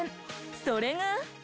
それが。